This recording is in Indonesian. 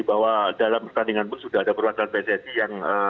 bahwa dalam pertandingan pun sudah ada perwakilan pssi yang hadir di kita sebagai pengawasan